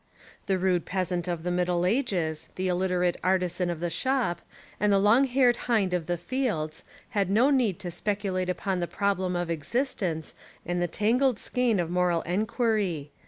The rude peasant of the Mid dle Ages, the iUiterate artisan of the shop, and the long haired hind of the fields, had no need to speculate upon the problem of existence and the tangled skein of moral enquiry.